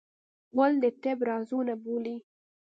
غول د طب رازونه بولي.